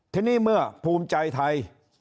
ทีนี้เมื่อภูมิใจไทย